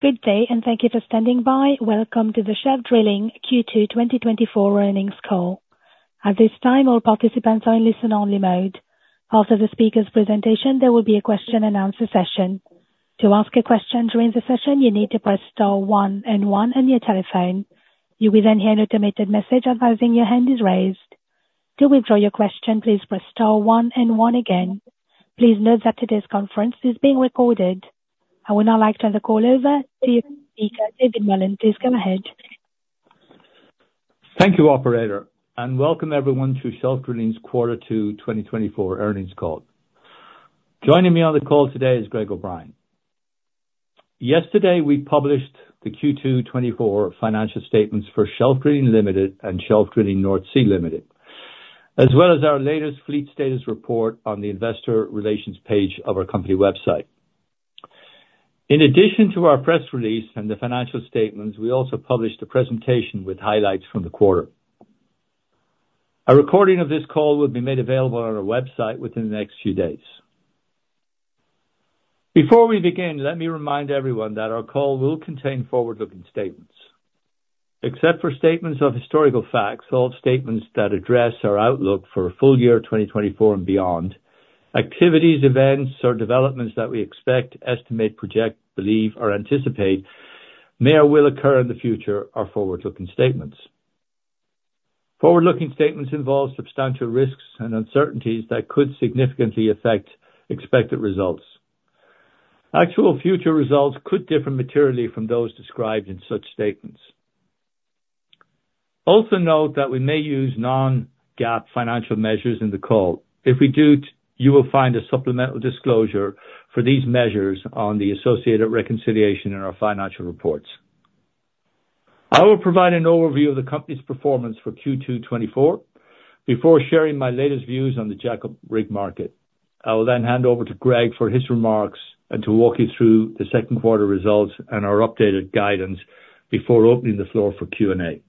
Good day, and thank you for standing by. Welcome to the Shelf Drilling Q2 2024 earnings call. At this time, all participants are in listen-only mode. After the speaker's presentation, there will be a question and answer session. To ask a question during the session, you need to press star one and one on your telephone. You will then hear an automated message advising your hand is raised. To withdraw your question, please press star one and one again. Please note that today's conference is being recorded. I would now like to turn the call over to David Mullen. Please go ahead. Thank you, operator, and welcome everyone to Shelf Drilling's Q2 2024 earnings call. Joining me on the call today is Greg O’Brien. Yesterday, we published the Q2 2024 financial statements for Shelf Drilling Limited and Shelf Drilling North Sea Limited, as well as our latest fleet status report on the investor relations page of our company website. In addition to our press release and the financial statements, we also published a presentation with highlights from the quarter. A recording of this call will be made available on our website within the next few days. Before we begin, let me remind everyone that our call will contain forward-looking statements. Except for statements of historical facts, all statements that address our outlook for full year 2024 and beyond, activities, events, or developments that we expect, estimate, project, believe, or anticipate may or will occur in the future are forward-looking statements. Forward-looking statements involve substantial risks and uncertainties that could significantly affect expected results. Actual future results could differ materially from those described in such statements. Also note that we may use non-GAAP financial measures in the call. If we do, you will find a supplemental disclosure for these measures on the associated reconciliation in our financial reports. I will provide an overview of the company's performance for Q2 2024 before sharing my latest views on the jackup rig market. I will then hand over to Greg for his remarks and to walk you through the second quarter results and our updated guidance before opening the floor for Q&A.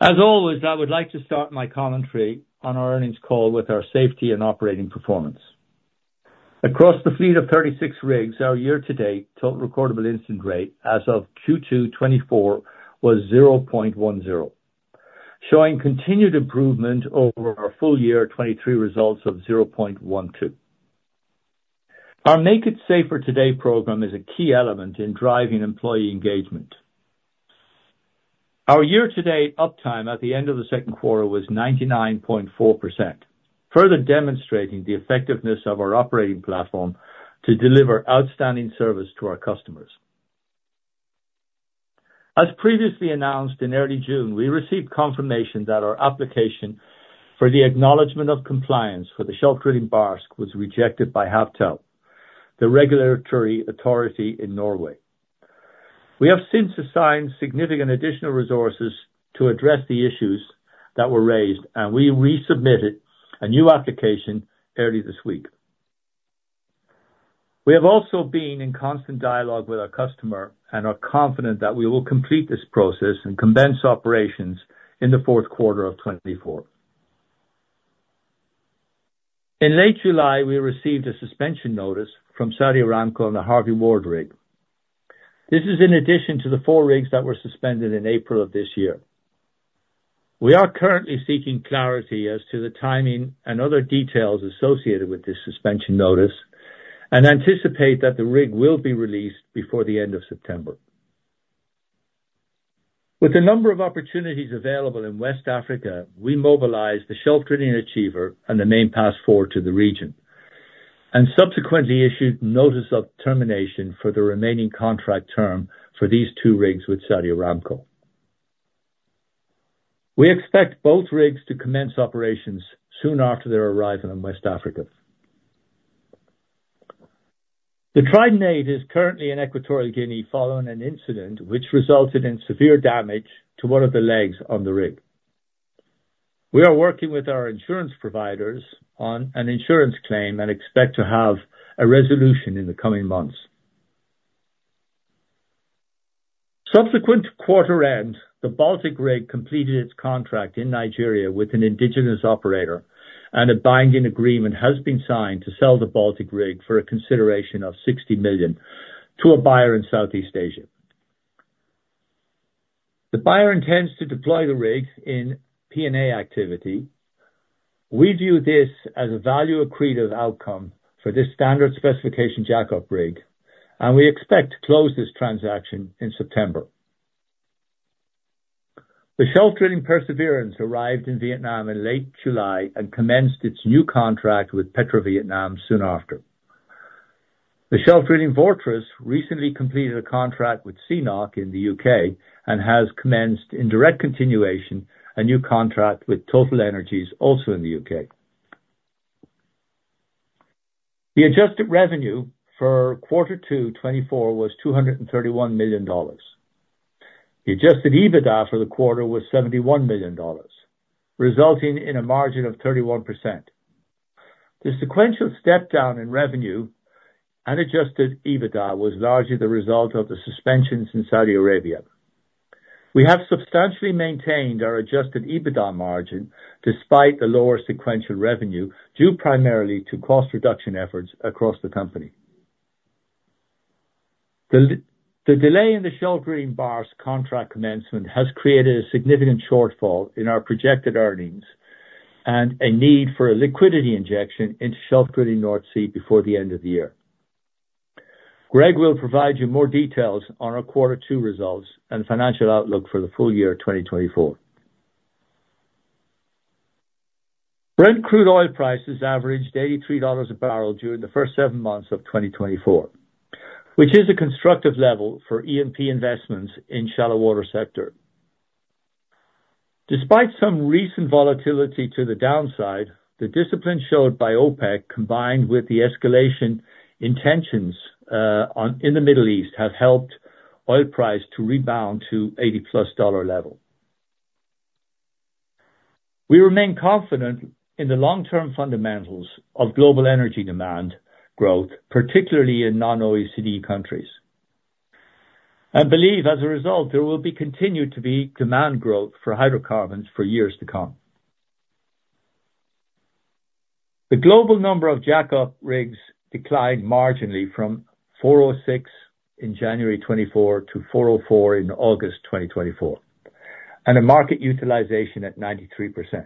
As always, I would like to start my commentary on our earnings call with our safety and operating performance. Across the fleet of 36 rigs, our year-to-date Total Recordable Incident Rate as of Q2 2024 was 0.10, showing continued improvement over our full year 2023 results of 0.12. Our Make It Safer Today program is a key element in driving employee engagement. Our year-to-date uptime at the end of the second quarter was 99.4%, further demonstrating the effectiveness of our operating platform to deliver outstanding service to our customers. As previously announced, in early June, we received confirmation that our application for the Acknowledgment of Compliance for the Shelf Drilling Barsk was rejected by Havtil, the regulatory authority in Norway. We have since assigned significant additional resources to address the issues that were raised, and we resubmitted a new application early this week. We have also been in constant dialogue with our customer and are confident that we will complete this process and commence operations in the fourth quarter of 2024. In late July, we received a suspension notice from Saudi Aramco on the Harvey Ward rig. This is in addition to the four rigs that were suspended in April of this year. We are currently seeking clarity as to the timing and other details associated with this suspension notice and anticipate that the rig will be released before the end of September. With the number of opportunities available in West Africa, we mobilized the Shelf Drilling Achiever and the Main Pass IV to the region and subsequently issued notice of termination for the remaining contract term for these two rigs with Saudi Aramco. We expect both rigs to commence operations soon after their arrival in West Africa. The Trident VIII is currently in Equatorial Guinea following an incident which resulted in severe damage to one of the legs on the rig. We are working with our insurance providers on an insurance claim and expect to have a resolution in the coming months. Subsequent to quarter end, the Baltic rig completed its contract in Nigeria with an indigenous operator, and a binding agreement has been signed to sell the Baltic rig for a consideration of $60 million to a buyer in Southeast Asia. The buyer intends to deploy the rig in P&A activity. We view this as a value-accretive outcome for this standard specification jackup rig, and we expect to close this transaction in September. The Shelf Drilling Perseverance arrived in Vietnam in late July and commenced its new contract with Petrovietnam soon after. The Shelf Drilling Fortress recently completed a contract with CNOOC in the U.K. and has commenced, in direct continuation, a new contract with TotalEnergies, also in the U.K. The adjusted revenue for quarter 2 2024 was $231 million. The adjusted EBITDA for the quarter was $71 million, resulting in a margin of 31%. The sequential step down in revenue and adjusted EBITDA was largely the result of the suspensions in Saudi Arabia. We have substantially maintained our adjusted EBITDA margin despite the lower sequential revenue, due primarily to cost reduction efforts across the company. The delay in the Shelf Drilling Barsk contract commencement has created a significant shortfall in our projected earnings and a need for a liquidity injection into Shelf Drilling North Sea before the end of the year. Greg will provide you more details on our quarter two results and financial outlook for the full year 2024. Brent crude oil prices averaged $83 a barrel during the first seven months of 2024, which is a constructive level for E&P investments in shallow water sector. Despite some recent volatility to the downside, the discipline showed by OPEC, combined with the escalation in tensions in the Middle East, has helped oil price to rebound to 80+ dollar level. We remain confident in the long-term fundamentals of global energy demand growth, particularly in non-OECD countries, and believe as a result, there will be continued to be demand growth for hydrocarbons for years to come. The global number of jackup rigs declined marginally from 406 in January 2024 to 404 in August 2024, and a market utilization at 93%.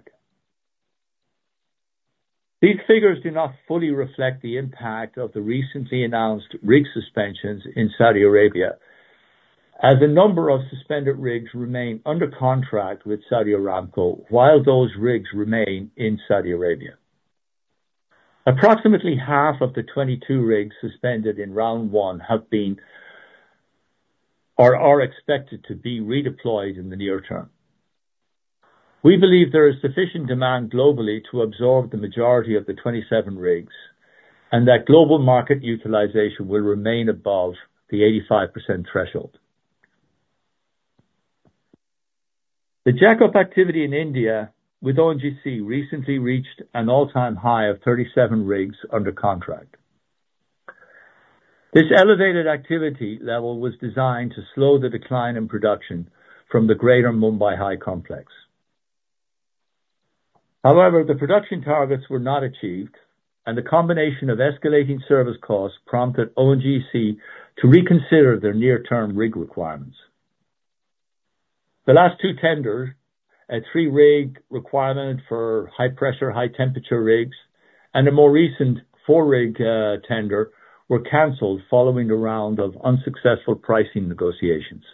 These figures do not fully reflect the impact of the recently announced rig suspensions in Saudi Arabia, as a number of suspended rigs remain under contract with Saudi Aramco while those rigs remain in Saudi Arabia. Approximately half of the 22 rigs suspended in round one have been, or are expected to be redeployed in the near term. We believe there is sufficient demand globally to absorb the majority of the 27 rigs, and that global market utilization will remain above the 85% threshold. The jackup activity in India with ONGC recently reached an all-time high of 37 rigs under contract. This elevated activity level was designed to slow the decline in production from the greater Mumbai High complex. However, the production targets were not achieved, and the combination of escalating service costs prompted ONGC to reconsider their near-term rig requirements. The last two tenders, a 3-rig requirement for high pressure, high temperature rigs, and a more recent 4-rig tender, were canceled following a round of unsuccessful pricing negotiations.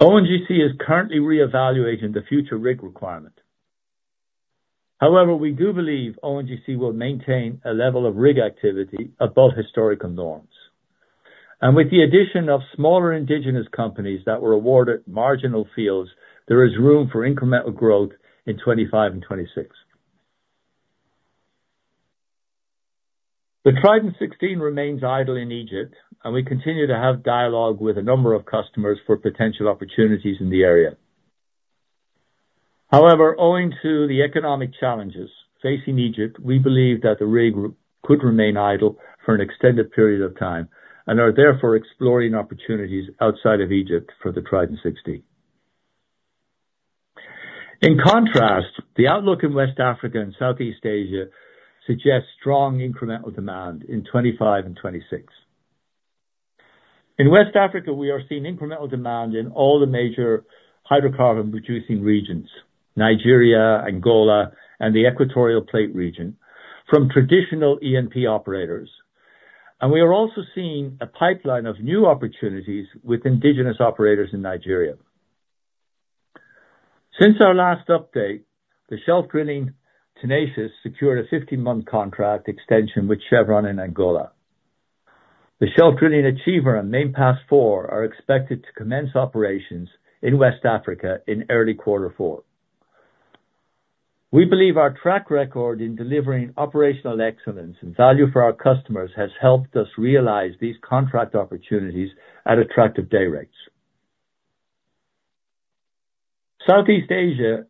ONGC is currently reevaluating the future rig requirement. However, we do believe ONGC will maintain a level of rig activity above historical norms. With the addition of smaller indigenous companies that were awarded marginal fields, there is room for incremental growth in 2025 and 2026. The Trident 16 remains idle in Egypt, and we continue to have dialogue with a number of customers for potential opportunities in the area. However, owing to the economic challenges facing Egypt, we believe that the rig could remain idle for an extended period of time and are therefore exploring opportunities outside of Egypt for the Trident 16. In contrast, the outlook in West Africa and Southeast Asia suggests strong incremental demand in 2025 and 2026. In West Africa, we are seeing incremental demand in all the major hydrocarbon-producing regions, Nigeria, Angola, and the Equatorial Guinea region, from traditional E&P operators. And we are also seeing a pipeline of new opportunities with indigenous operators in Nigeria. Since our last update, the Shelf Drilling Tenacious secured a 50-month contract extension with Chevron in Angola. The Shelf Drilling Achiever and Main Pass IV are expected to commence operations in West Africa in early quarter four. We believe our track record in delivering operational excellence and value for our customers has helped us realize these contract opportunities at attractive day rates. Southeast Asia,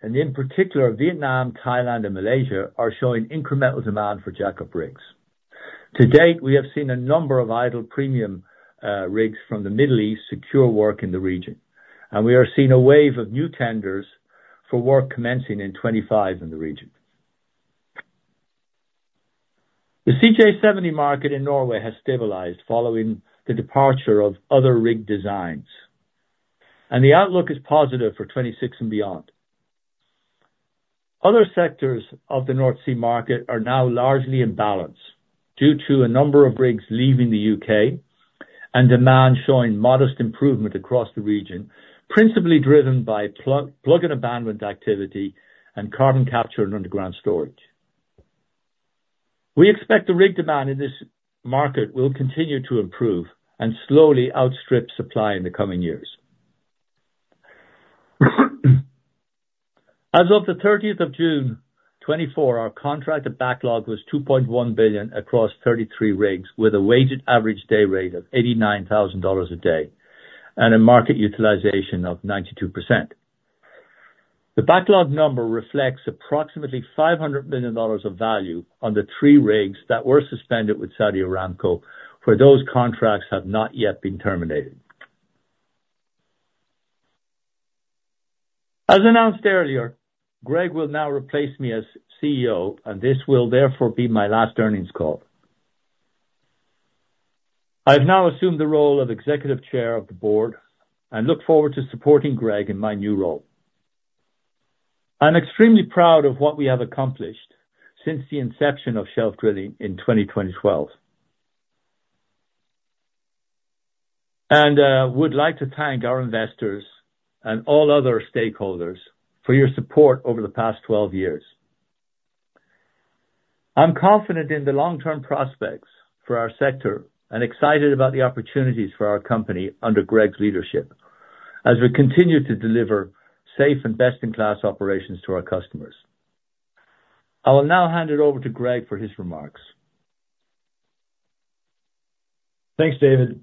and in particular, Vietnam, Thailand, and Malaysia, are showing incremental demand for jackup rigs. To date, we have seen a number of idle premium rigs from the Middle East secure work in the region, and we are seeing a wave of new tenders for work commencing in 2025 in the region. The CJ70 market in Norway has stabilized following the departure of other rig designs, and the outlook is positive for 2026 and beyond. Other sectors of the North Sea market are now largely in balance due to a number of rigs leaving the U.K. and demand showing modest improvement across the region, principally driven by plug and abandonment activity and carbon capture and underground storage. We expect the rig demand in this market will continue to improve and slowly outstrip supply in the coming years. As of the thirtieth of June 2024, our contracted backlog was $2.1 billion across 33 rigs, with a weighted average day rate of $89,000 a day and a market utilization of 92%....The backlog number reflects approximately $500 million of value on the 3 rigs that were suspended with Saudi Aramco, where those contracts have not yet been terminated. As announced earlier, Greg will now replace me as CEO, and this will therefore be my last earnings call. I've now assumed the role of executive chair of the board and look forward to supporting Greg in my new role. I'm extremely proud of what we have accomplished since the inception of Shelf Drilling in 2012. I would like to thank our investors and all other stakeholders for your support over the past 12 years. I'm confident in the long-term prospects for our sector and excited about the opportunities for our company under Greg's leadership as we continue to deliver safe and best-in-class operations to our customers. I will now hand it over to Greg for his remarks. Thanks, David.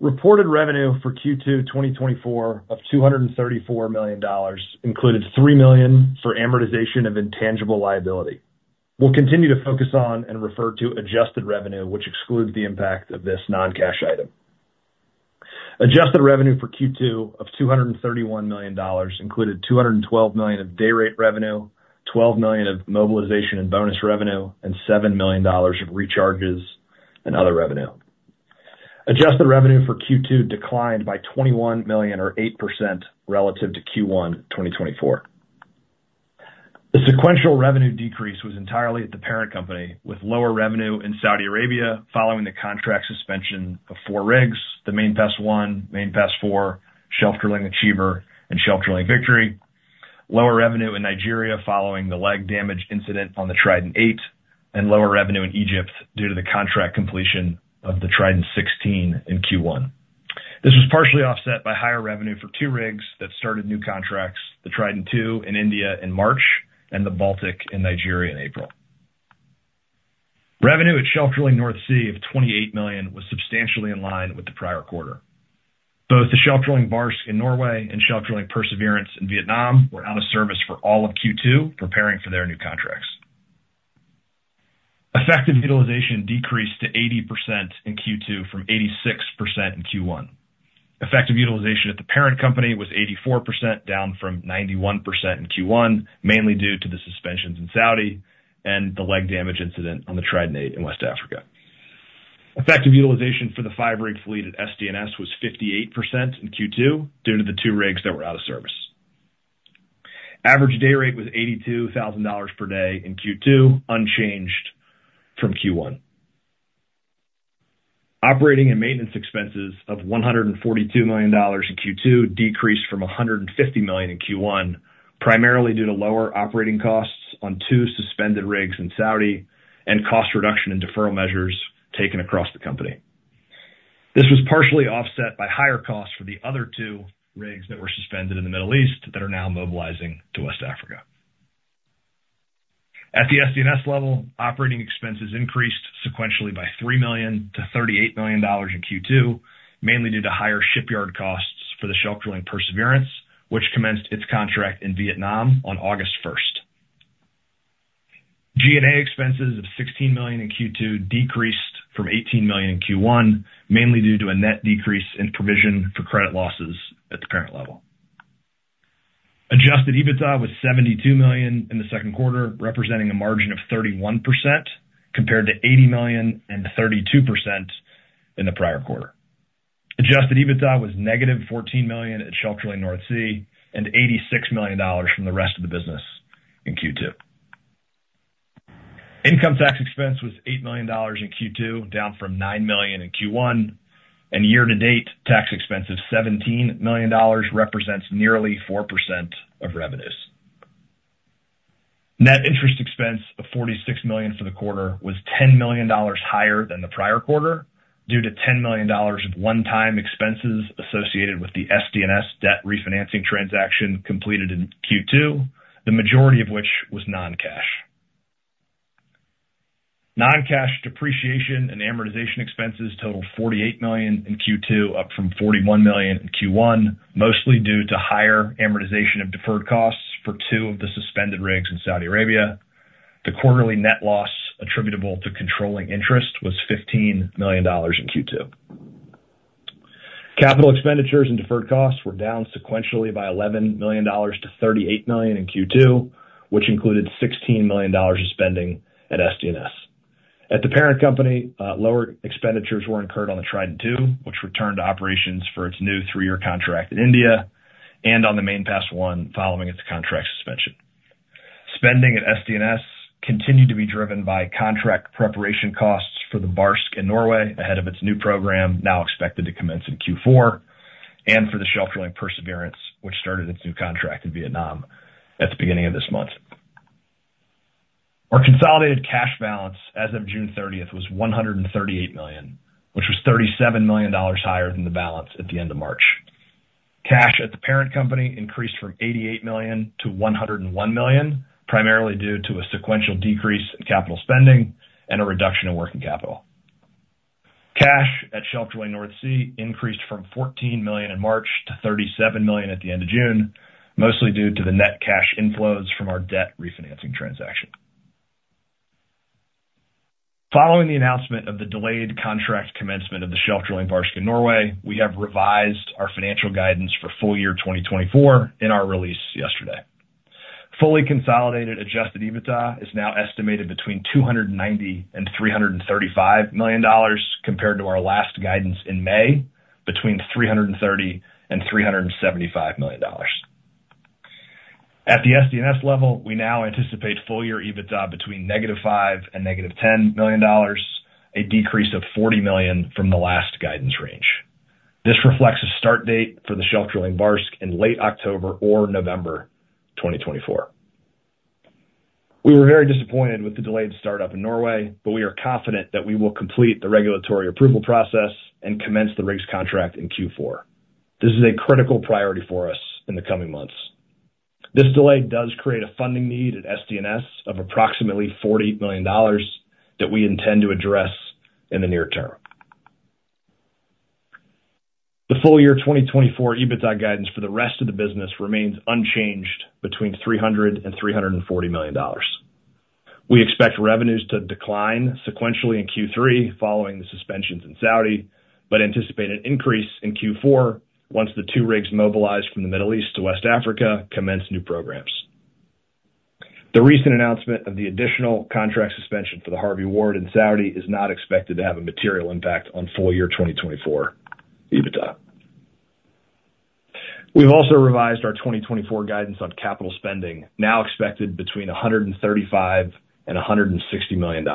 Reported revenue for Q2 2024 of $234 million included $3 million for amortization of intangible liability. We'll continue to focus on and refer to adjusted revenue, which excludes the impact of this non-cash item. Adjusted revenue for Q2 of $231 million included $212 million of day rate revenue, $12 million of mobilization and bonus revenue, and $7 million of recharges and other revenue. Adjusted revenue for Q2 declined by $21 million or 8% relative to Q1 2024. The sequential revenue decrease was entirely at the parent company, with lower revenue in Saudi Arabia following the contract suspension of 4 rigs, the Main Pass I, Main Pass IV, Shelf Drilling Achiever, and Shelf Drilling Victory. Lower revenue in Nigeria following the leg damage incident on the Trident VIII, and lower revenue in Egypt due to the contract completion of the Trident 16 in Q1. This was partially offset by higher revenue for two rigs that started new contracts, the Trident II in India in March and the Baltic in Nigeria in April. Revenue at Shelf Drilling North Sea of $28 million was substantially in line with the prior quarter. Both the Shelf Drilling Barsk in Norway and Shelf Drilling Perseverance in Vietnam were out of service for all of Q2, preparing for their new contracts. Effective utilization decreased to 80% in Q2 from 86% in Q1. Effective utilization at the parent company was 84%, down from 91% in Q1, mainly due to the suspensions in Saudi and the leg damage incident on the Trident VIII in West Africa. Effective utilization for the five-rig fleet at SDNS was 58% in Q2, due to the two rigs that were out of service. Average day rate was $82,000 per day in Q2, unchanged from Q1. Operating and maintenance expenses of $142 million in Q2 decreased from $150 million in Q1, primarily due to lower operating costs on two suspended rigs in Saudi and cost reduction and deferral measures taken across the company. This was partially offset by higher costs for the other two rigs that were suspended in the Middle East that are now mobilizing to West Africa. At the SDNS level, operating expenses increased sequentially by $3 million to $38 million in Q2, mainly due to higher shipyard costs for the Shelf Drilling Perseverance, which commenced its contract in Vietnam on August first. G&A expenses of $16 million in Q2 decreased from $18 million in Q1, mainly due to a net decrease in provision for credit losses at the parent level. Adjusted EBITDA was $72 million in the second quarter, representing a margin of 31%, compared to $80 million and 32% in the prior quarter. Adjusted EBITDA was -$14 million at Shelf Drilling North Sea and $86 million from the rest of the business in Q2. Income tax expense was $8 million in Q2, down from $9 million in Q1, and year-to-date, tax expense of $17 million represents nearly 4% of revenues. Net interest expense of $46 million for the quarter was $10 million higher than the prior quarter, due to $10 million of one-time expenses associated with the SDNS debt refinancing transaction completed in Q2, the majority of which was non-cash. Non-cash depreciation and amortization expenses totaled $48 million in Q2, up from $41 million in Q1, mostly due to higher amortization of deferred costs for two of the suspended rigs in Saudi Arabia. The quarterly net loss attributable to controlling interest was $15 million in Q2. Capital expenditures and deferred costs were down sequentially by $11 million to $38 million in Q2, which included $16 million of spending at SDNS. At the parent company, lower expenditures were incurred on the Trident II, which returned to operations for its new three-year contract in India, and on the Main Pass I, following its contract suspension. Spending at SDNS continued to be driven by contract preparation costs for the Barsk in Norway, ahead of its new program, now expected to commence in Q4, and for the Shelf Drilling Perseverance, which started its new contract in Vietnam at the beginning of this month. Our consolidated cash balance as of June 30 was $138 million, which was $37 million higher than the balance at the end of March. Cash at the parent company increased from $88 million to $101 million, primarily due to a sequential decrease in capital spending and a reduction in working capital. Cash at Shelf Drilling North Sea increased from $14 million in March to $37 million at the end of June, mostly due to the net cash inflows from our debt refinancing transaction. Following the announcement of the delayed contract commencement of the Shelf Drilling Barsk in Norway, we have revised our financial guidance for full year 2024 in our release yesterday. Fully consolidated Adjusted EBITDA is now estimated between $290 million and $335 million, compared to our last guidance in May, between $330 million and $375 million. At the SDNS level, we now anticipate full year EBITDA between -$5 million and -$10 million, a decrease of $40 million from the last guidance range. This reflects a start date for the Shelf Drilling Barsk in late October or November 2024. We were very disappointed with the delayed startup in Norway, but we are confident that we will complete the regulatory approval process and commence the rigs contract in Q4. This is a critical priority for us in the coming months. This delay does create a funding need at SDNS of approximately $40 million that we intend to address in the near term. The full year 2024 EBITDA guidance for the rest of the business remains unchanged between $300 million and $340 million. We expect revenues to decline sequentially in Q3 following the suspensions in Saudi, but anticipate an increase in Q4 once the two rigs mobilized from the Middle East to West Africa commence new programs. The recent announcement of the additional contract suspension for the Harvey Ward in Saudi is not expected to have a material impact on full year 2024 EBITDA. We've also revised our 2024 guidance on capital spending, now expected between $135 million and $160 million.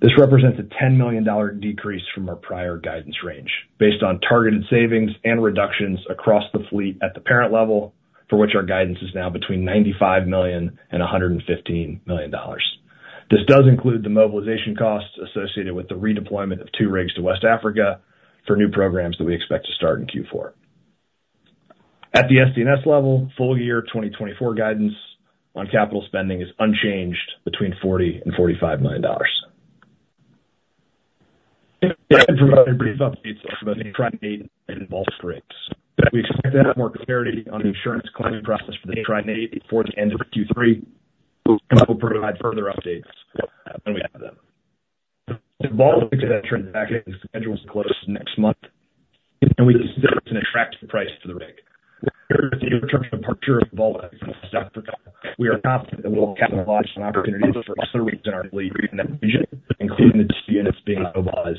This represents a $10 million decrease from our prior guidance range, based on targeted savings and reductions across the fleet at the parent level, for which our guidance is now between $95 million and $115 million. This does include the mobilization costs associated with the redeployment of two rigs to West Africa for new programs that we expect to start in Q4. At the SDNS level, full year 2024 guidance on capital spending is unchanged between $40 million and $45 million. Brief updates on the Tri-8 and Baltic rigs. We expect to have more clarity on the insurance claim process for the Tri-8 before the end of Q3. We'll provide further updates when we have them. The Baltic transaction schedule is closed next month, and we expect an attractive price for the rig. The near-term departure of Baltic, we are confident that we'll capitalize on opportunities for other rigs in our fleet in that region, including the units being mobilized from this fleet. We also intend to provide operations and management support to the buyer of the Baltic, so this transition can create other business opportunities for us in a region we know well.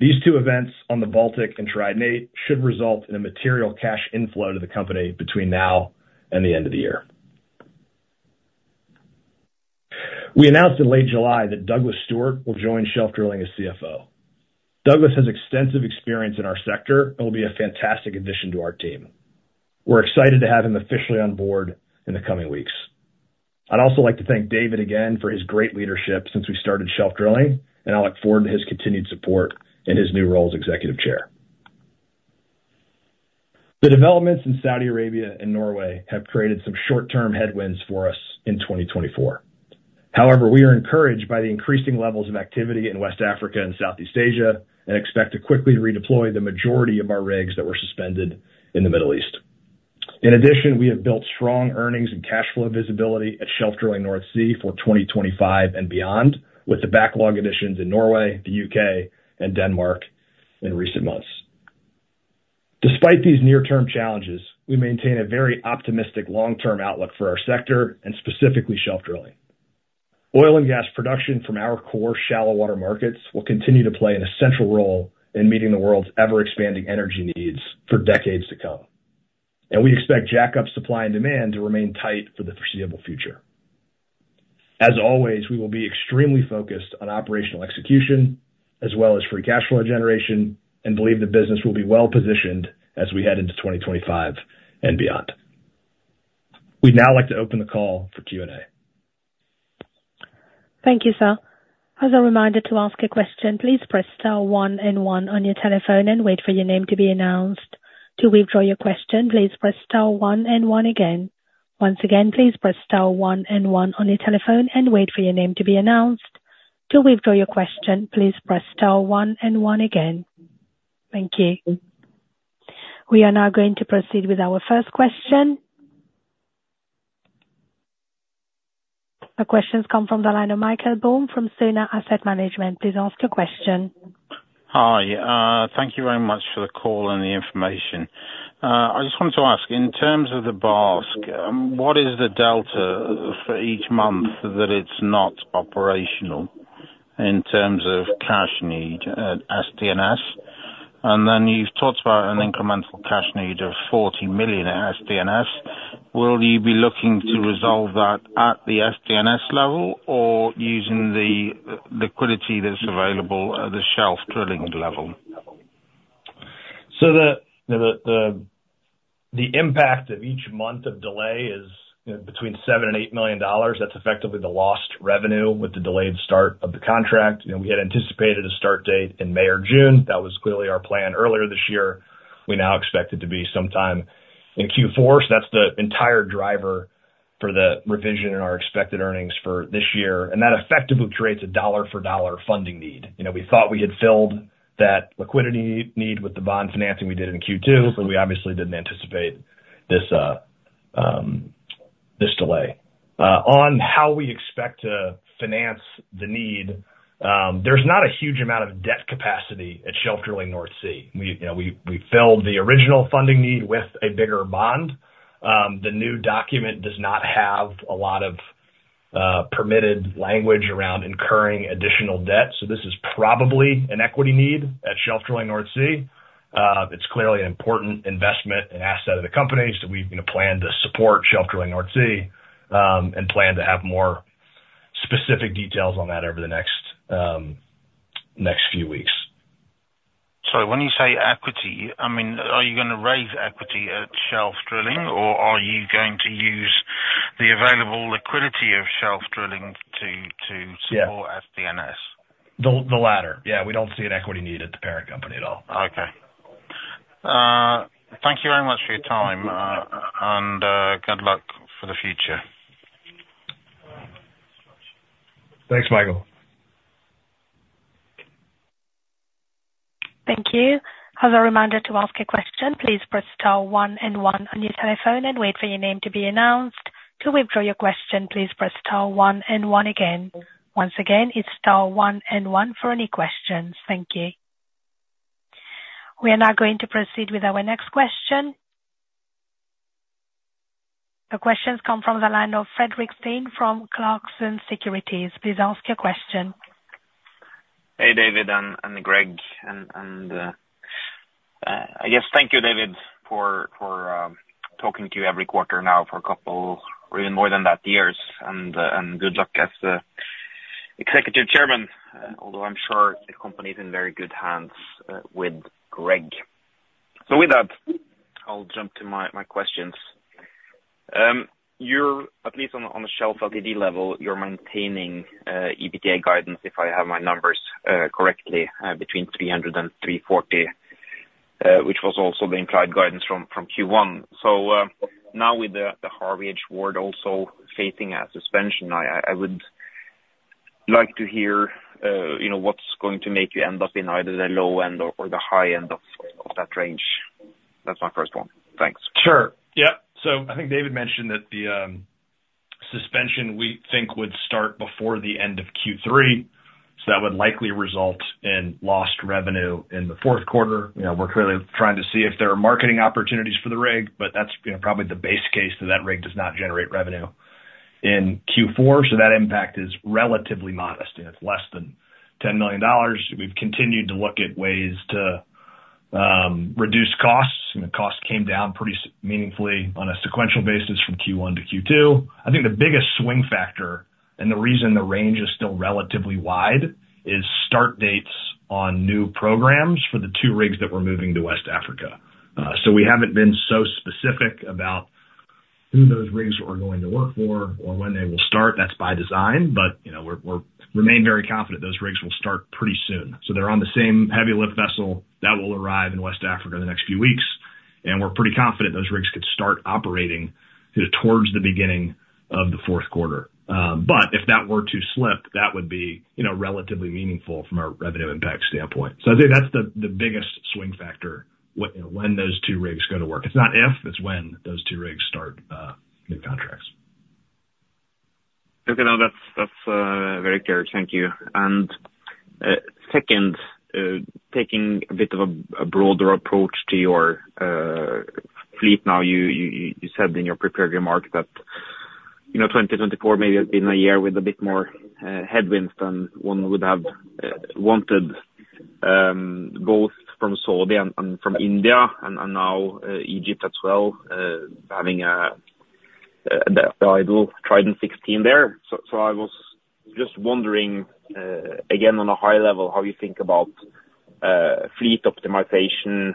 These two events on the Baltic and Trident VIII should result in a material cash inflow to the company between now and the end of the year. We announced in late July that Douglas Stewart will join Shelf Drilling as CFO. Douglas has extensive experience in our sector and will be a fantastic addition to our team. We're excited to have him officially on board in the coming weeks. I'd also like to thank David again for his great leadership since we started Shelf Drilling, and I look forward to his continued support in his new role as Executive Chair. The developments in Saudi Arabia and Norway have created some short-term headwinds for us in 2024. However, we are encouraged by the increasing levels of activity in West Africa and Southeast Asia, and expect to quickly redeploy the majority of our rigs that were suspended in the Middle East. In addition, we have built strong earnings and cash flow visibility at Shelf Drilling North Sea for 2025 and beyond, with the backlog additions in Norway, the U.K., and Denmark in recent months. Despite these near-term challenges, we maintain a very optimistic long-term outlook for our sector and specifically Shelf Drilling. Oil and gas production from our core shallow water markets will continue to play an essential role in meeting the world's ever-expanding energy needs for decades to come, and we expect jackup supply and demand to remain tight for the foreseeable future. As always, we will be extremely focused on operational execution as well as free cash flow generation and believe the business will be well-positioned as we head into 2025 and beyond. We'd now like to open the call for Q&A. Thank you, sir. As a reminder to ask a question, please press star one and one on your telephone and wait for your name to be announced. To withdraw your question, please press star one and one again. Once again, please press star one and one on your telephone and wait for your name to be announced. To withdraw your question, please press star one and one again. Thank you. We are now going to proceed with our first question. The question comes from the line of Michael Blum from Sona Asset Management. Please ask your question. Hi, thank you very much for the call and the information. I just wanted to ask, in terms of the Barsk, what is the delta for each month that it's not operational in terms of cash need at SDNS? And then you've talked about an incremental cash need of $40 million at SDNS. Will you be looking to resolve that at the SDNS level or using the liquidity that's available at the Shelf Drilling level? The impact of each month of delay is, you know, between $7 million and $8 million. That's effectively the lost revenue with the delayed start of the contract. You know, we had anticipated a start date in May or June. That was clearly our plan earlier this year. We now expect it to be sometime in Q4. So that's the entire driver for the revision in our expected earnings for this year, and that effectively creates a dollar-for-dollar funding need. You know, we thought we had filled that liquidity need with the bond financing we did in Q2, but we obviously didn't anticipate this delay. On how we expect to finance the need, there's not a huge amount of debt capacity at Shelf Drilling North Sea. You know, we filled the original funding need with a bigger bond. The new document does not have a lot of permitted language around incurring additional debt, so this is probably an equity need at Shelf Drilling North Sea. It's clearly an important investment and asset of the company, so we're gonna plan to support Shelf Drilling North Sea, and plan to have more specific details on that over the next few weeks. So when you say equity, I mean, are you gonna raise equity at Shelf Drilling, or are you going to use the available liquidity of Shelf Drilling to, Yeah. -support SDNS? The latter. Yeah, we don't see an equity need at the parent company at all. Okay. Thank you very much for your time, and good luck for the future. Thanks, Michael. Thank you. As a reminder, to ask a question, please press star one and one on your telephone and wait for your name to be announced. To withdraw your question, please press star one and one again. Once again, it's star one and one for any questions. Thank you. We are now going to proceed with our next question. The questions come from the line of Fredrik Stene from Clarksons Securities. Please ask your question. Hey, David and Greg, I guess thank you, David, for talking to you every quarter now for a couple, or even more than that, years. Good luck as Executive Chairman, although I'm sure the company is in very good hands with Greg. So with that, I'll jump to my questions. You're at least on the Shelf Ltd level maintaining EBITDA guidance, if I have my numbers correctly, between $300-$340, which was also the implied guidance from Q1. So now with the Harvey H. Ward also facing a suspension, I would like to hear, you know, what's going to make you end up in either the low end or the high end of that range? That's my first one. Thanks. Sure. Yeah. So I think David mentioned that the suspension, we think, would start before the end of Q3. So that would likely result in lost revenue in the fourth quarter. You know, we're clearly trying to see if there are marketing opportunities for the rig, but that's, you know, probably the base case that that rig does not generate revenue in Q4, so that impact is relatively modest, and it's less than $10 million. We've continued to look at ways to reduce costs, and the costs came down pretty meaningfully on a sequential basis from Q1 to Q2. I think the biggest swing factor, and the reason the range is still relatively wide, is start dates on new programs for the two rigs that we're moving to West Africa. So we haven't been so specific about who those rigs are going to work for or when they will start. That's by design, but, you know, we're remain very confident those rigs will start pretty soon. So they're on the same heavy lift vessel that will arrive in West Africa in the next few weeks, and we're pretty confident those rigs could start operating towards the beginning of the fourth quarter. But if that were to slip, that would be, you know, relatively meaningful from a revenue impact standpoint. So I think that's the biggest swing factor, when those two rigs go to work. It's not if, it's when those two rigs start new contracts. Okay, now that's, that's very clear. Thank you. And second, taking a bit of a broader approach to your fleet now, you said in your prepared remarks that, you know, 2024 may have been a year with a bit more headwinds than one would have wanted, both from Saudi and from India and now Egypt as well, having the idle Trident 16 there. So I was just wondering, again, on a high level, how you think about fleet optimization,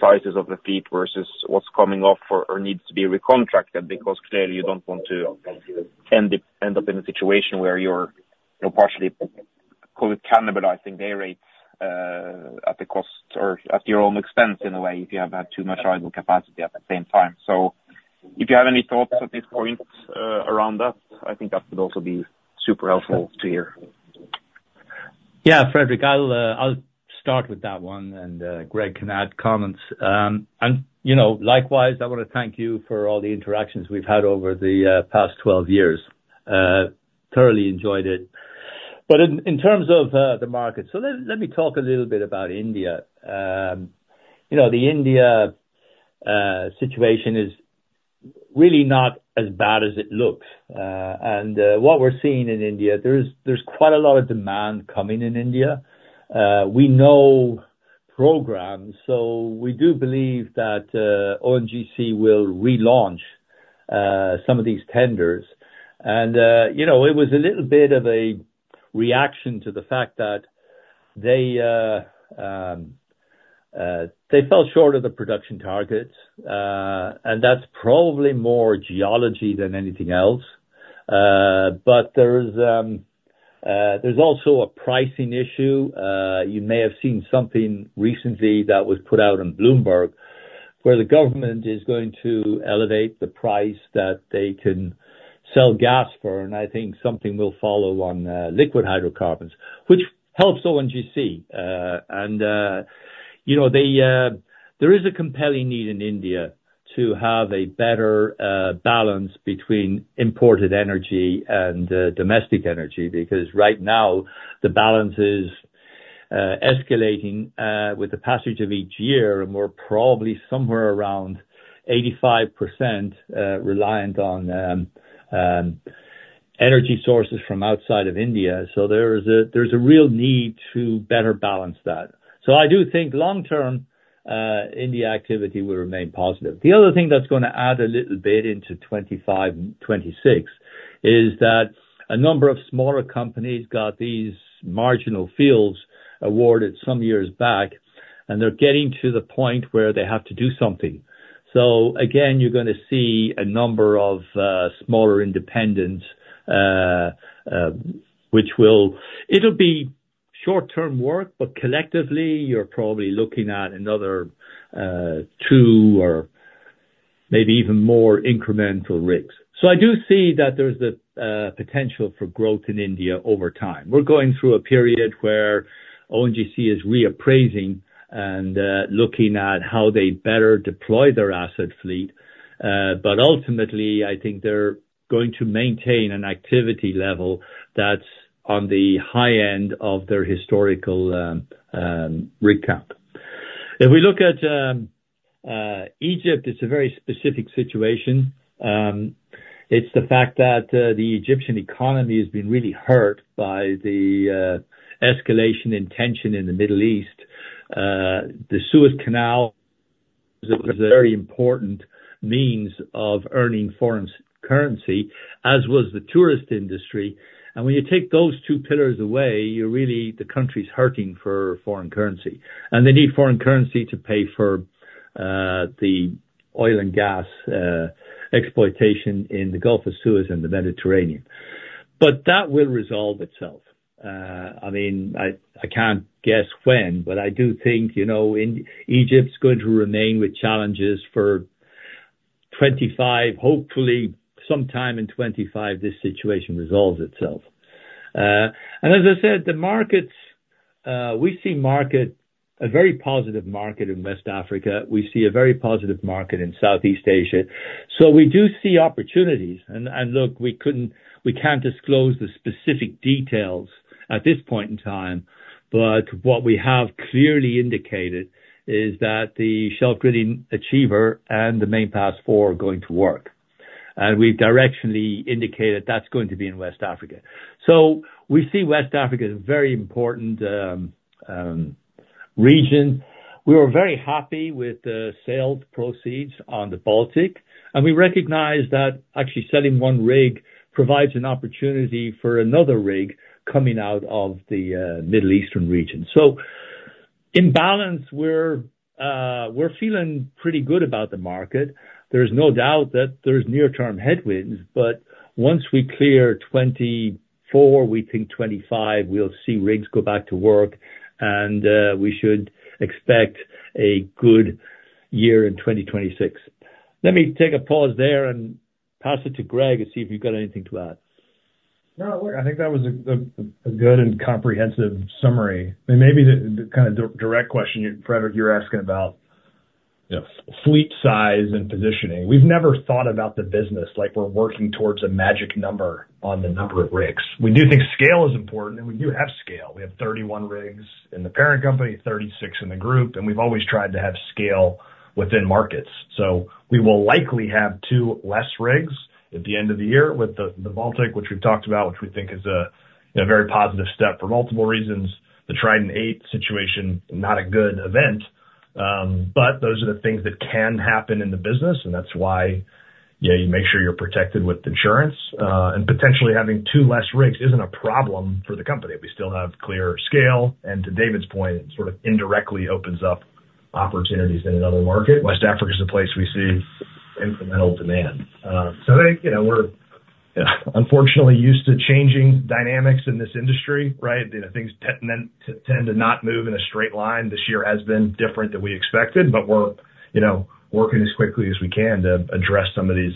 sizes of the fleet versus what's coming off or needs to be recontracted, because clearly you don't want to end up in a situation where you're, you know, partially cannibalizing dayrates at the cost or at your own expense, in a way, if you have too much idle capacity at the same time. So if you have any thoughts at this point, around that, I think that would also be super helpful to hear. Yeah, Fredrik, I'll start with that one, and Greg can add comments. And, you know, likewise, I wanna thank you for all the interactions we've had over the past 12 years. Thoroughly enjoyed it. But in terms of the market, so let me talk a little bit about India. You know, the India situation is really not as bad as it looks. And what we're seeing in India, there is quite a lot of demand coming in India. We know programs, so we do believe that ONGC will relaunch some of these tenders. And, you know, it was a little bit of a reaction to the fact that they fell short of the production targets, and that's probably more geology than anything else. But there is, there's also a pricing issue. You may have seen something recently that was put out on Bloomberg, where the government is going to elevate the price that they can sell gas for, and I think something will follow on, liquid hydrocarbons, which helps ONGC. You know, there is a compelling need in India to have a better, balance between imported energy and, domestic energy, because right now, the balance is, escalating, with the passage of each year, and we're probably somewhere around 85%, reliant on, energy sources from outside of India. So there is a real need to better balance that. So I do think long term, India activity will remain positive. The other thing that's gonna add a little bit into 25 and 26, is that a number of smaller companies got these marginal fields awarded some years back, and they're getting to the point where they have to do something. So again, you're gonna see a number of smaller independents, which will, it'll be short-term work, but collectively, you're probably looking at another two or maybe even more incremental rigs. So I do see that there's a potential for growth in India over time. We're going through a period where ONGC is reappraising and looking at how they better deploy their asset fleet. But ultimately, I think they're going to maintain an activity level that's on the high end of their historical recap. If we look at Egypt, it's a very specific situation. It's the fact that the Egyptian economy has been really hurt by the escalation in tension in the Middle East. The Suez Canal is a very important means of earning foreign currency, as was the tourist industry. And when you take those two pillars away, you're really the country's hurting for foreign currency. And they need foreign currency to pay for the oil and gas exploitation in the Gulf of Suez and the Mediterranean. But that will resolve itself. I mean, I can't guess when, but I do think, you know, Egypt's going to remain with challenges for 2025. Hopefully sometime in 2025, this situation resolves itself. And as I said, the markets, we see a very positive market in West Africa. We see a very positive market in Southeast Asia, so we do see opportunities. Look, we can't disclose the specific details at this point in time, but what we have clearly indicated is that the Shelf Drilling Achiever and the Main Pass IV are going to work, and we've directionally indicated that's going to be in West Africa. So we see West Africa as a very important region. We were very happy with the sales proceeds on the Baltic, and we recognize that actually selling one rig provides an opportunity for another rig coming out of the Middle Eastern region. So in balance, we're feeling pretty good about the market. There's no doubt that there's near-term headwinds, but once we clear 2024, we think 2025, we'll see rigs go back to work, and we should expect a good year in 2026. Let me take a pause there and pass it to Greg and see if you've got anything to add. No, I think that was a good and comprehensive summary. And maybe the kind of direct question, Fredrik, you're asking about, you know, fleet size and positioning. We've never thought about the business like we're working towards a magic number on the number of rigs. We do think scale is important, and we do have scale. We have 31 rigs in the parent company, 36 in the group, and we've always tried to have scale within markets. So we will likely have two less rigs at the end of the year with the Baltic, which we've talked about, which we think is a very positive step for multiple reasons. The Trident VIII situation, not a good event, but those are the things that can happen in the business, and that's why, yeah, you make sure you're protected with insurance. Potentially having two less rigs isn't a problem for the company. We still have clear scale, and to David's point, sort of indirectly opens up opportunities in another market. West Africa is a place we see incremental demand. So I think, you know, we're unfortunately used to changing dynamics in this industry, right? You know, things tend to not move in a straight line. This year has been different than we expected, but we're, you know, working as quickly as we can to address some of these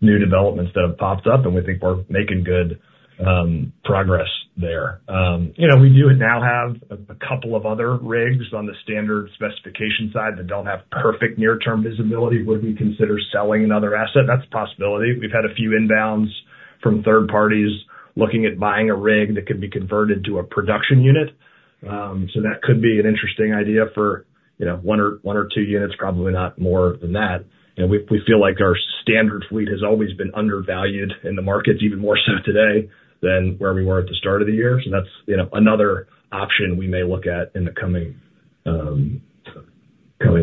new developments that have popped up, and we think we're making good progress there. You know, we do now have a couple of other rigs on the standard specification side that don't have perfect near-term visibility. Would we consider selling another asset? That's a possibility. We've had a few inbounds from third parties looking at buying a rig that could be converted to a production unit. So that could be an interesting idea for, you know, one or two units, probably not more than that. And we feel like our standard fleet has always been undervalued in the markets, even more so today than where we were at the start of the year. So that's, you know, another option we may look at in the coming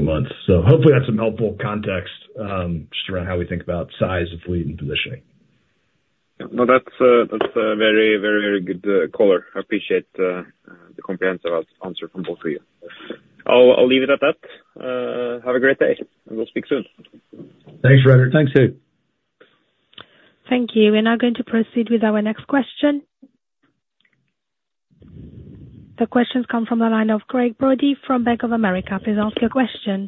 months. So hopefully that's some helpful context just around how we think about size of fleet and positioning.... Yeah, no, that's a, that's a very, very good caller. I appreciate the comprehensive answer from both of you. I'll, I'll leave it at that. Have a great day, and we'll speak soon. Thanks, Greg. Thanks, too. Thank you. We're now going to proceed with our next question. The question's come from the line of Gregg Brody from Bank of America. Please ask your question.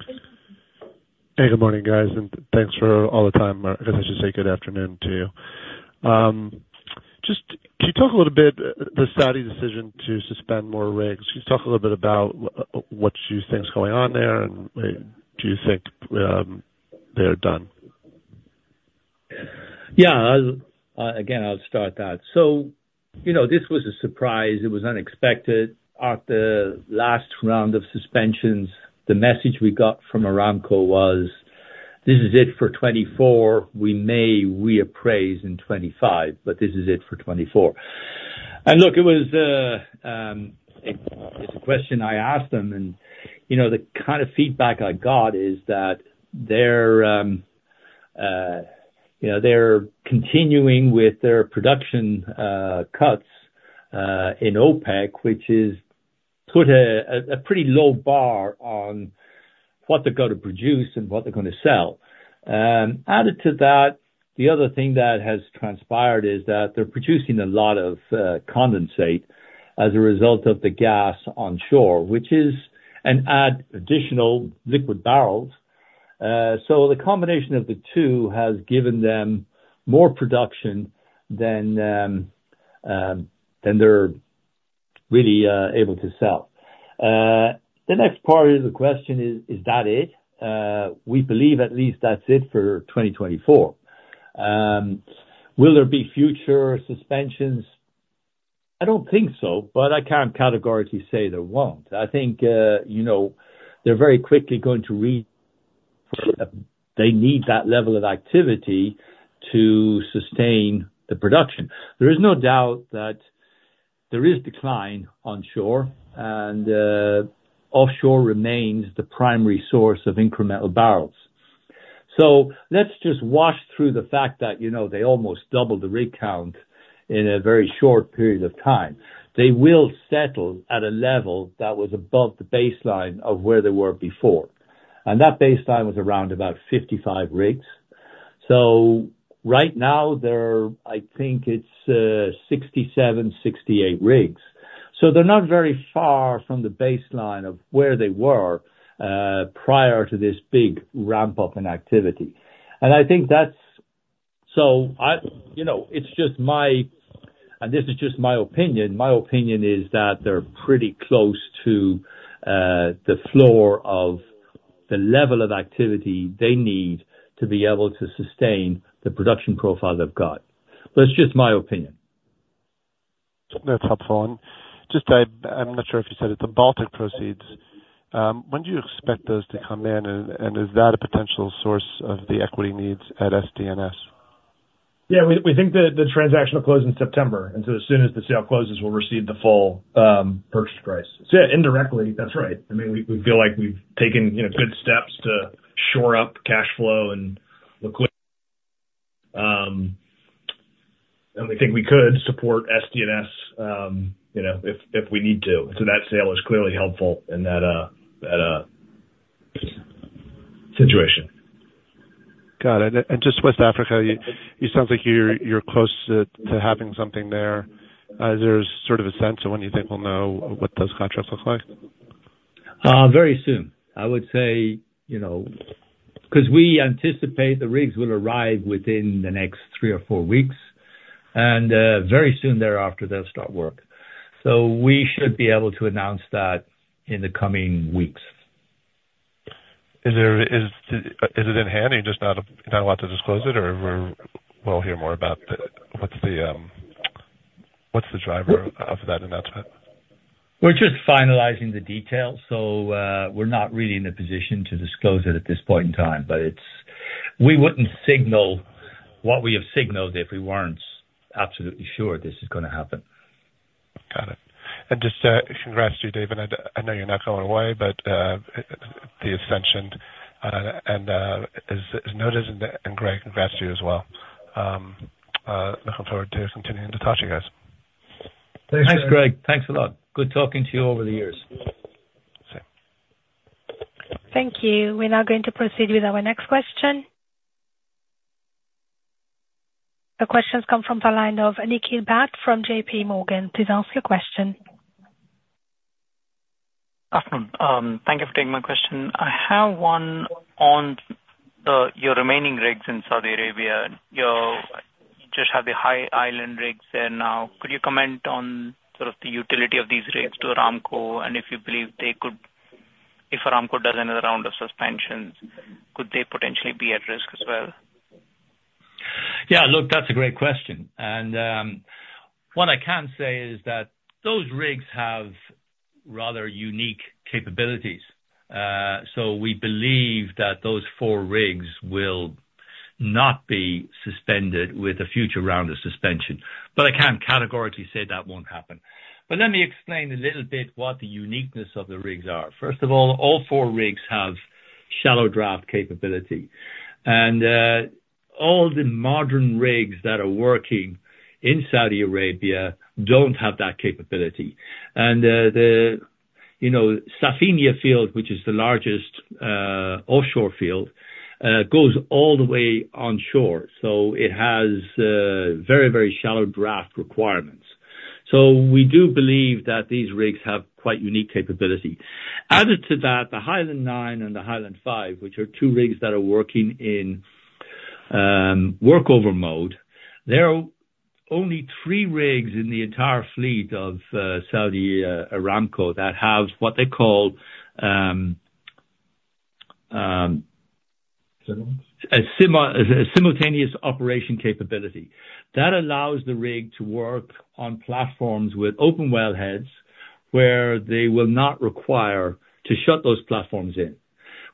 Hey, good morning, guys, and thanks for all the time. I guess I should say good afternoon to you. Just can you talk a little bit, the Saudi decision to suspend more rigs. Can you talk a little bit about what you think is going on there, and, do you think, they're done? Yeah, I'll... again, I'll start that. So, you know, this was a surprise. It was unexpected. At the last round of suspensions, the message we got from Aramco was, "This is it for 2024. We may reappraise in 2025, but this is it for 2024." And look, it was, it's a question I asked them, and, you know, the kind of feedback I got is that they're, you know, they're continuing with their production cuts in OPEC, which is put a pretty low bar on what they're gonna produce and what they're gonna sell. Added to that, the other thing that has transpired is that they're producing a lot of condensate as a result of the gas onshore, which is, and add additional liquid barrels. So the combination of the two has given them more production than they're really able to sell. The next part of the question is: Is that it? We believe at least that's it for 2024. Will there be future suspensions? I don't think so, but I can't categorically say there won't. I think, you know, they're very quickly going to they need that level of activity to sustain the production. There is no doubt that there is decline onshore, and offshore remains the primary source of incremental barrels. So let's just wash through the fact that, you know, they almost doubled the rig count in a very short period of time. They will settle at a level that was above the baseline of where they were before, and that baseline was around about 55 rigs. So right now there are, I think it's, 67, 68 rigs. So they're not very far from the baseline of where they were prior to this big ramp-up in activity. And I think that's... So I, you know, it's just my, and this is just my opinion, my opinion is that they're pretty close to the floor of the level of activity they need to be able to sustain the production profile they've got. But it's just my opinion. That's helpful. And just, I'm not sure if you said it, the Baltic proceeds, when do you expect those to come in, and, and is that a potential source of the equity needs at SDNS? Yeah, we think that the transaction will close in September, and so as soon as the sale closes, we'll receive the full purchase price. So yeah, indirectly, that's right. I mean, we feel like we've taken, you know, good steps to shore up cash flow and liquid... And we think we could support SDNS, you know, if we need to. So that sale is clearly helpful in that situation. Got it. And just West Africa, it sounds like you're close to having something there. Is there sort of a sense of when you think we'll know what those contracts look like? Very soon. I would say, you know, 'cause we anticipate the rigs will arrive within the next three or four weeks, and very soon thereafter, they'll start work. So we should be able to announce that in the coming weeks. Is there, is it in hand and you're just not allowed to disclose it, or we'll hear more about the... What's the driver of that announcement? We're just finalizing the details, so, we're not really in a position to disclose it at this point in time. But it's, we wouldn't signal what we have signaled if we weren't absolutely sure this is gonna happen. Got it. And just, congrats to you, David. I know you're not going away, but the ascension is noticed, and, Greg, congrats to you as well. Look forward to continuing to talk to you guys. Thanks, Greg. Thanks a lot. Good talking to you over the years. Same. Thank you. We're now going to proceed with our next question. The question's come from the line of Nikhil Bhat from J.P. Morgan. Please ask your question. Afternoon. Thank you for taking my question. I have one on, your remaining rigs in Saudi Arabia. You just have the High Island rigs there now. Could you comment on sort of the utility of these rigs to Aramco, and if you believe they could, if Aramco does another round of suspensions, could they potentially be at risk as well? Yeah, look, that's a great question, and what I can say is that those rigs have rather unique capabilities. So we believe that those four rigs will not be suspended with a future round of suspension, but I can't categorically say that won't happen. But let me explain a little bit what the uniqueness of the rigs are. First of all, all four rigs have shallow draft capability. And all the modern rigs that are working in Saudi Arabia don't have that capability. And the, you know, Safaniya field, which is the largest offshore field, goes all the way onshore, so it has very, very shallow draft requirements. So we do believe that these rigs have quite unique capability. Added to that, the High Island IX and the High Island V, which are two rigs that are working in workover mode, there are only three rigs in the entire fleet of Saudi Aramco that have what they call a simultaneous operation capability. That allows the rig to work on platforms with open wellheads, where they will not require to shut those platforms in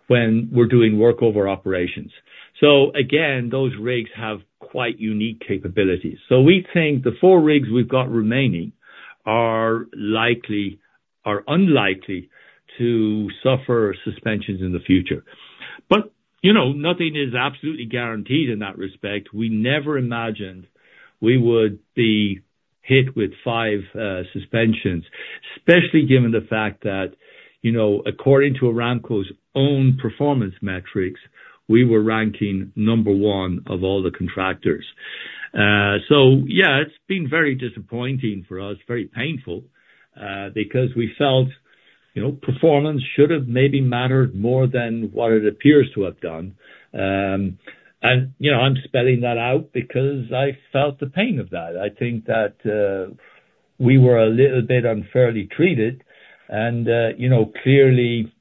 when we're doing workover operations. So again, those rigs have quite unique capabilities. So we think the four rigs we've got remaining are unlikely to suffer suspensions in the future. But, you know, nothing is absolutely guaranteed in that respect. We never imagined we would be hit with five suspensions, especially given the fact that, you know, according to Aramco's own performance metrics, we were ranking number one of all the contractors. So yeah, it's been very disappointing for us, very painful, because we felt, you know, performance should have maybe mattered more than what it appears to have done. And, you know, I'm spelling that out because I felt the pain of that. I think that, we were a little bit unfairly treated, and, you know, clearly,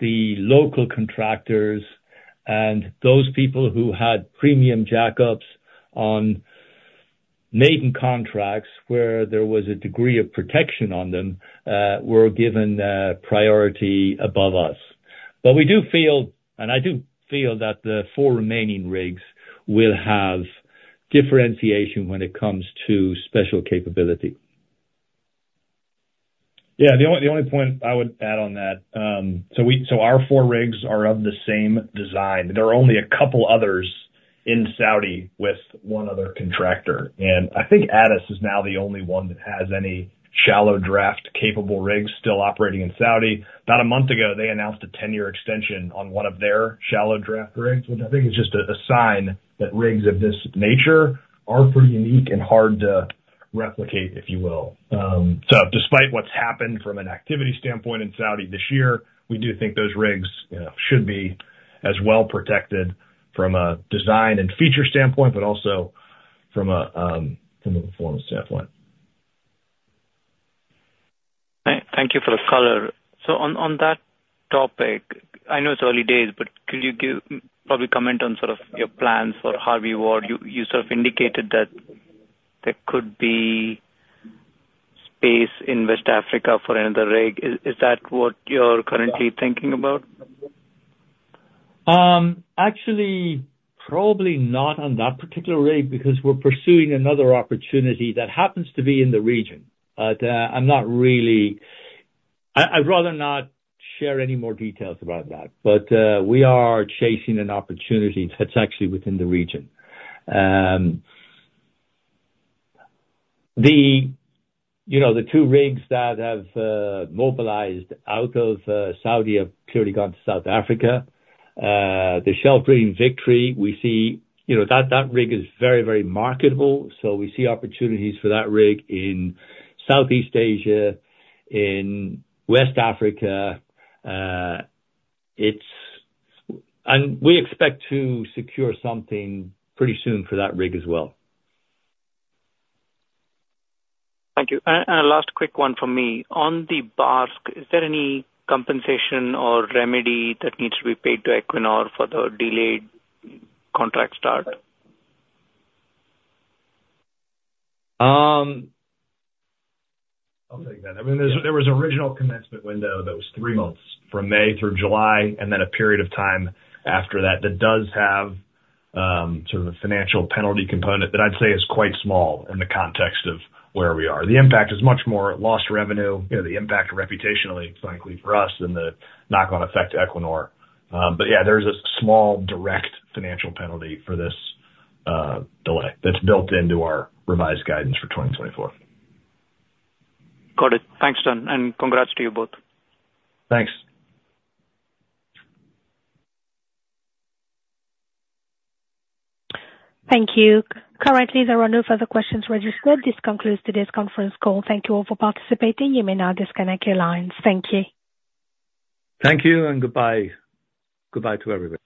the local contractors and those people who had premium jackups on maiden contracts, where there was a degree of protection on them, were given, priority above us. But we do feel, and I do feel, that the four remaining rigs will have differentiation when it comes to special capability. Yeah, the only point I would add on that, so our four rigs are of the same design. There are only a couple others in Saudi with one other contractor, and I think ADES is now the only one that has any shallow draft-capable rigs still operating in Saudi. About a month ago, they announced a 10-year extension on one of their shallow draft rigs, which I think is just a sign that rigs of this nature are pretty unique and hard to replicate, if you will. So despite what's happened from an activity standpoint in Saudi this year, we do think those rigs, you know, should be as well protected from a design and feature standpoint, but also from a performance standpoint. Thank you for the color. So on that topic, I know it's early days, but could you probably comment on sort of your plans for Harvey H. Ward? You sort of indicated that there could be space in West Africa for another rig. Is that what you're currently thinking about? Actually, probably not on that particular rig, because we're pursuing another opportunity that happens to be in the region. But, I'm not really... I, I'd rather not share any more details about that, but, we are chasing an opportunity that's actually within the region. You know, the two rigs that have mobilized out of Saudi have clearly gone to South Africa. The Shelf Drilling Victory, we see, you know, that, that rig is very, very marketable, so we see opportunities for that rig in Southeast Asia, in West Africa. We expect to secure something pretty soon for that rig as well. Thank you. And a last quick one from me. On the Barsk, is there any compensation or remedy that needs to be paid to Equinor for the delayed contract start? I'll take that. I mean, there was, there was original commencement window that was three months, from May through July, and then a period of time after that, that does have sort of a financial penalty component that I'd say is quite small in the context of where we are. The impact is much more lost revenue, you know, the impact reputationally, frankly, for us than the knock-on effect to Equinor. But yeah, there's a small, direct financial penalty for this delay, that's built into our revised guidance for 2024. Got it. Thanks, John, and congrats to you both. Thanks. Thank you. Currently, there are no further questions registered. This concludes today's conference call. Thank you all for participating. You may now disconnect your lines. Thank you. Thank you, and goodbye. Goodbye to everybody.